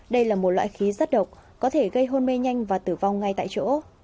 đây là một loại khí rất độc có thể gây hôn mê nhanh và tử vong ngay tại chỗ